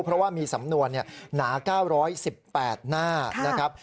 เพราะว่ามีสำนวณหนาเก้าร้อยสิบแปดหน้าน่ะครับ